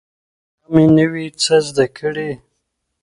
دا مې نوي څه زده کړي